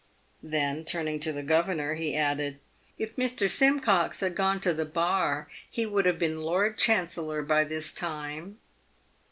Then, turning to the governor, he added, " If Mr. Simcox had gone to the bar he would have been Lord Chan cellor by this time."